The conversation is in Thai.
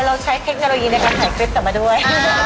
เราใช้เทคโนโลยีในการถ่ายคลิปต่อมาด้วย